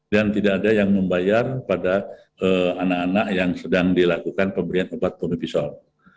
dan tidak ada yang membayar pada anak anak yang sedang dilakukan pemberian obat pomepisol